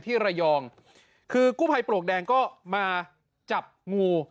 ที่ระยองคือกู้ภัยปลวกแดงก็มาจับงู